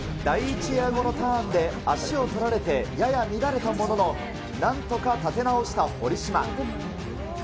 第１エア後のターンで足を取られて、やや乱れたものの、なんとか立て直した堀島。